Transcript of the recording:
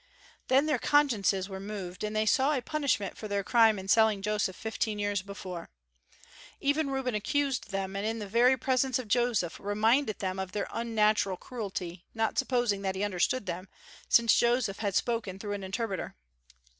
Then their consciences were moved, and they saw a punishment for their crime in selling Joseph fifteen years before. Even Reuben accused them, and in the very presence of Joseph reminded them of their unnatural cruelty, not supposing that he understood them, since Joseph had spoken through an interpreter.